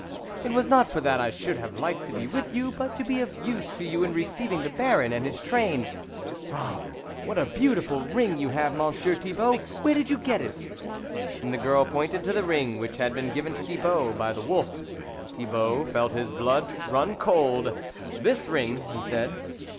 it was not for that I should have liked to be with you, but to be of use to you in receiving the Baron and his train. Oh ! what a beautiful ring you have, Monsieur Thibault, where did you get it?" And the girl pointed to the ring which had been given to Thibault by the wolf. Thibault felt his blood run cold. " This ring ?" he said.